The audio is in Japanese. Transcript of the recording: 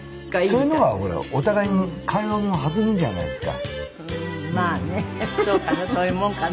それの方がほらお互いに会話も弾むじゃないですか。